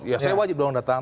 ya saya wajib dong datang